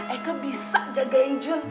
eike bisa jagain jun